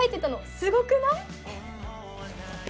すごくない？